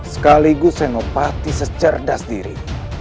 sekaligus saya mengobati secerdas diri